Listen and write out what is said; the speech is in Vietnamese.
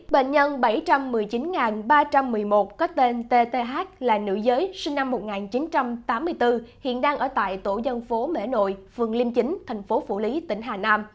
bệnh nhân bảy trăm một mươi chín ba trăm một mươi một có tên tth là nữ giới sinh năm một nghìn chín trăm tám mươi bốn hiện đang ở tại tổ dân phố mễ nội phường liêm chính thành phố phủ lý tỉnh hà nam